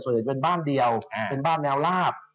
ส่วนมากจะเป็นบ้านเดียวเป็นบ้านแนวราบ